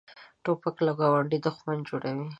توپک له ګاونډي دښمن جوړوي.